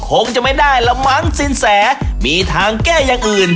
คงจะไม่ได้ละมั้งสินแสมีทางแก้อย่างอื่น